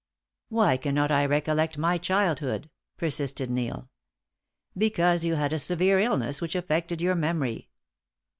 "Why cannot I recollect my childhood?" persisted Neil. "Because you had a severe illness which affected your memory."